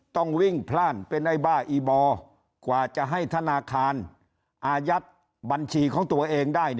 ต้องวิ่งพล่านเป็นไอ้บ้าอีบอกว่าจะให้ธนาคารอายัดบัญชีของตัวเองได้